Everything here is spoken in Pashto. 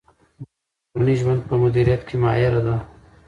مور د کورني ژوند په مدیریت کې ماهر ده.